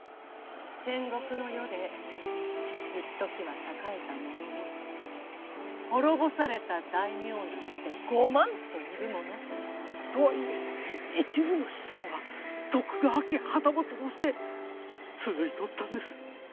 戦国の世でいっときは栄えたものの滅ぼされた大名なんてごまんといるもの。とはいえ一部の子孫は徳川家旗本として続いとったんです。